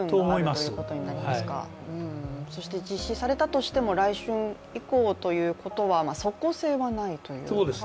実施されたとしても来春以降ということは即効性はないということですか？